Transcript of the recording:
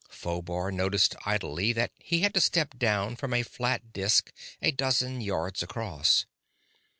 Phobar noticed idly that he had to step down from a flat disk a dozen yards across.